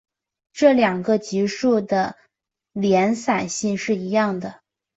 这两个级数的敛散性是一样的。